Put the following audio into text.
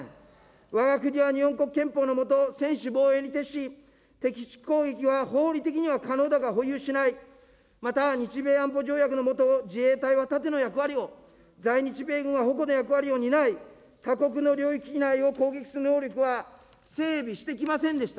わが国は日本国憲法の下、専守防衛に徹し、敵基地攻撃は法理的には可能だが保有しない、また日米安全条約の下、自衛隊は盾の役割を、在日米軍は矛の役割を担い、他国の領域内を攻撃する能力は整備してきませんでした。